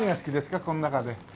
この中で。